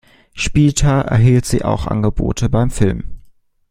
Später erhielt sie auch Angebote beim Film.